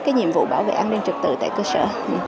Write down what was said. cái nhiệm vụ bảo vệ an ninh trực tự tại cơ sở